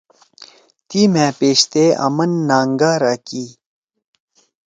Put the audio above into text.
تی مھأ پیش تے آمن نانگارا کی۔